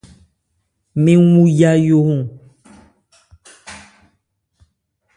Mɛn wu yayóhɔn.